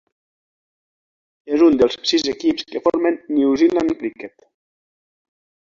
És un dels sis equips que formen New Zealand Cricket.